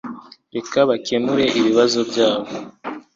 Reka bakemure ibibazo byabo